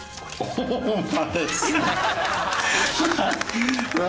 お前。